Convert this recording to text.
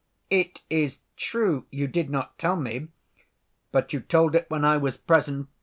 "It is true you did not tell me, but you told it when I was present.